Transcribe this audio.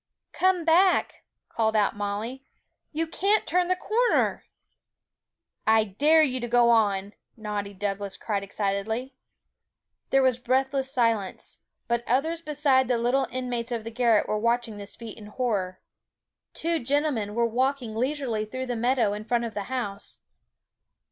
'Come back,' called out Molly; 'you can't turn the corner!' 'I dare you to go on!' naughty Douglas cried excitedly. There was breathless silence; but others besides the little inmates of the garret were watching this feat in horror. Two gentlemen were walking leisurely through the meadow in front of the house.